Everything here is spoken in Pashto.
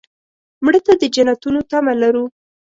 مړه ته د جنتونو تمه لرو